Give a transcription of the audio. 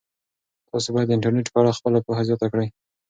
تاسي باید د انټرنيټ په اړه خپله پوهه زیاته کړئ.